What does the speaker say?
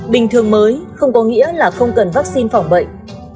bình thường mới không có nghĩa là không cần vaccine phòng bệnh